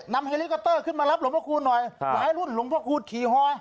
เฮลิคอปเตอร์ขึ้นมารับหลวงพระคูณหน่อยหลายรุ่นหลวงพ่อคูณขี่ฮอ